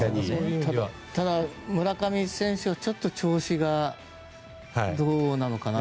ただ、村上選手はちょっと調子がどうなのかなって。